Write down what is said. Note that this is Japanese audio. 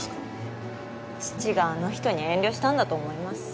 父があの人に遠慮したんだと思います。